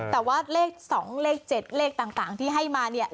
แต่ว่าเลข๒เลข๗เลขต่างที่ให้มาเนี่ย